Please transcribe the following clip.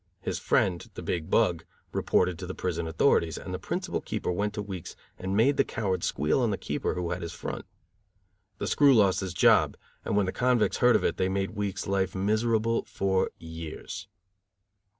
His friend, the big bug, reported to the prison authorities, and the principal keeper went to Weeks and made the coward squeal on the keeper who had his "front." The screw lost his job, and when the convicts heard of it, they made Weeks' life miserable for years.